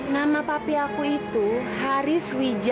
nama papi aku itu haris wijaya